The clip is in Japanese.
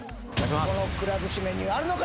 このくら寿司メニューあるのか？